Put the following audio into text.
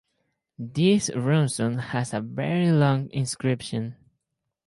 This runestone has a very long inscription.